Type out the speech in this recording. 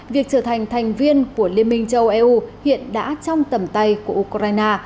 việc trở thành thành viên của liên minh châu âu hiện đã trong tầm tay của ukraine